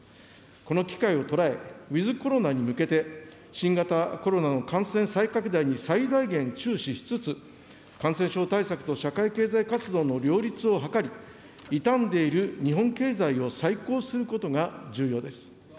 この機会を捉え、ウィズコロナに向けて、新型コロナの感染再拡大に最大限注視しつつ、感染症対策と社会経済活動の両立を図り、傷んでいる日本経済を再興することが重要です。